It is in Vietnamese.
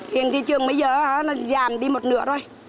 hiện thị trường bây giờ giảm đi một nửa thôi